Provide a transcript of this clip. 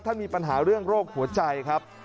มีปัญหาเรื่องโรคหัวใจครับ